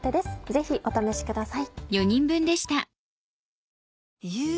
ぜひお試しください。